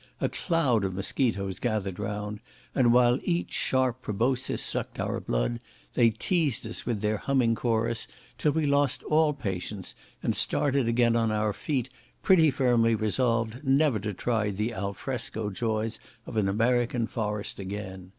A cloud of mosquitoes gathered round, and while each sharp proboscis sucked our blood, they teased us with their humming chorus, till we lost all patience, and started again on our feet, pretty firmly resolved never to try the al fresco joys of an American forest again.